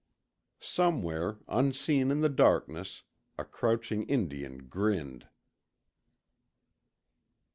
Somewhere, unseen in the darkness, a crouching Indian grinned.